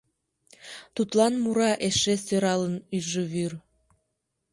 Тудлан мура эше сӧралын ӱжӱвӱр